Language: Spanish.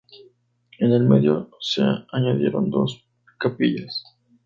En el medio se añadieron dos capillas.